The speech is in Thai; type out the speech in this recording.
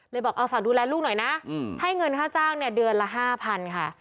บอกฝากดูแลลูกหน่อยนะให้เงินค่าจ้างเนี่ยเดือนละ๕๐๐๐ค่ะ